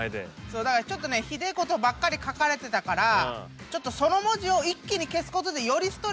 ちょっとねひでえことばっかり書かれてたからその文字を一気に消すことでよりストレスが。